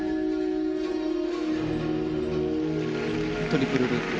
トリプルループ。